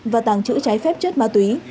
và tàng trữ trái phép chất ma túy